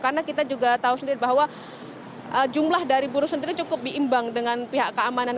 karena kita juga tahu sendiri bahwa jumlah dari buruh sendiri cukup diimbang dengan pihak keamanan